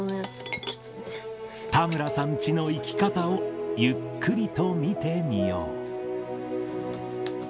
田村さんチの生き方をゆっくりと見てみよう。